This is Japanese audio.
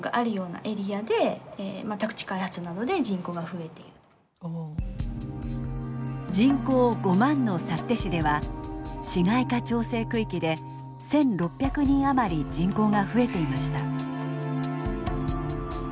見て分かると思うんですけど人口５万の幸手市では市街化調整区域で１，６００人余り人口が増えていました。